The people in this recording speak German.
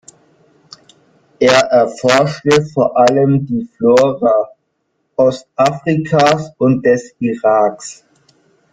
Er erforschte vor allem die Flora Ostafrikas und des Iraks.